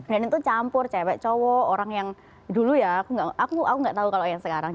dan itu campur cewek cowok orang yang dulu ya aku enggak tahu kalau yang sekarang